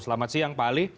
selamat siang pak ali